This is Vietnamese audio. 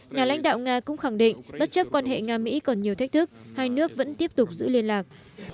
nhà lãnh đạo nga cũng khẳng định bất chấp quan hệ nga mỹ còn nhiều thách thức hai nước vẫn tiếp tục giữ liên lạc